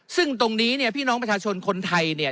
ซึ่งตรงนี้เนี่ยพี่น้องประชาชนคนไทยเนี่ย